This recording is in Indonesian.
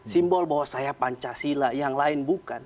simbol bahwa saya pancasila yang lain bukan